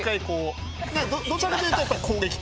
どちらかというとやっぱり攻撃的な。